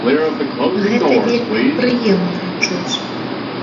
Гэта вельмі прыемна чуць.